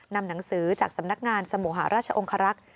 นำหนังสือจากสำนักงานสมุหาราชองครักษ์